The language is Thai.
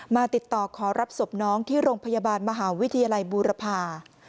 ติดต่อขอรับศพน้องที่โรงพยาบาลมหาวิทยาลัยบูรพา